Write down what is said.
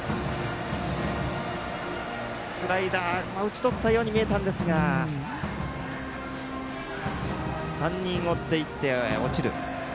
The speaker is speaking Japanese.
スライダー打ち取ったように見えたんですが３人追っていって落ちる。